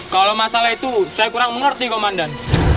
kalau masalah itu saya kurang mengerti komandan